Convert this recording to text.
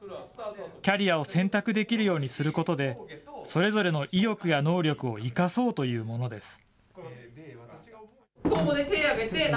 キャリアを選択できるようにすることで、それぞれの意欲や能力を生かそうというものです。